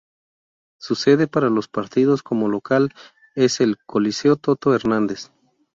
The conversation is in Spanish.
Su sede para los partidos como local es el Coliseo Toto Hernández.